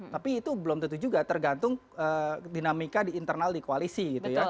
tapi itu belum tentu juga tergantung dinamika di internal di koalisi gitu ya